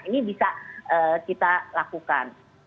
ini bisa kita lakukan